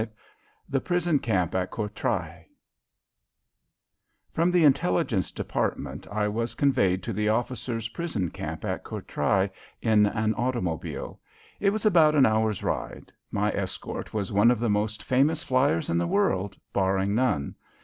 V THE PRISON CAMP AT COURTRAI From the Intelligence Department I was conveyed to the officers' prison camp at Courtrai in an automobile. It was about an hour's ride. My escort was one of the most famous flyers in the world, barring none.